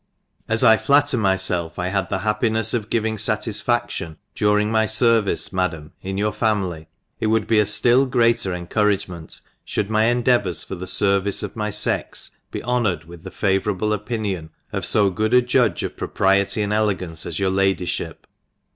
As I flatter my felf I had the happinels of giving fatisfadion, during my fervice. Madam, in your family, it would be a ftill greater encouragement, fhould my endeavours for the. fervice of n^y fex be honoured with the favourable opinion of fo good a judge of propriety and elegance as your Lady(hip.